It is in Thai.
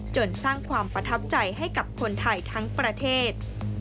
จนสร้างความประทับใจให้กับคนไทยทั้งประเทศ